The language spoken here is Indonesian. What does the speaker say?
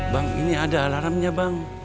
bang ini ada alarmnya bang